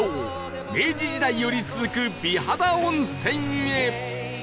明治時代より続く美肌温泉へ